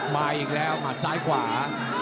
มาอีกแล้วหมัดซ้ายขวา